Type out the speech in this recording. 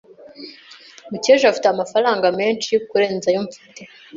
Mukesha afite amafaranga menshi kurenza ayo mfite.